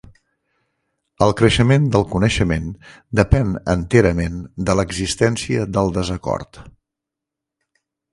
El creixement del coneixement depèn enterament de l'existència del desacord.